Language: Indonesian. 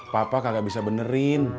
papa kagak bisa benerin